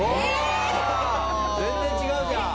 全然違うじゃん！